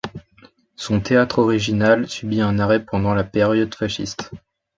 Son théâtre original subit un arrêt pendant la période fasciste.